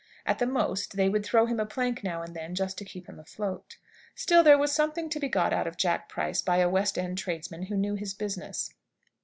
At the most, they would throw him a plank now and then just to keep him afloat. Still there was something to be got out of Jack Price by a West end tradesman who knew his business.